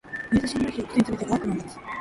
濡れた新聞紙を靴に詰めて乾くのを待つ。